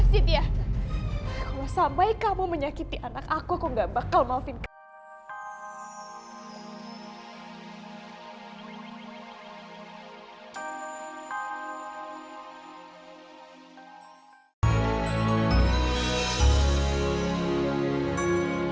sibia kalau sampai kamu menyakiti anak aku aku gak bakal maufin kamu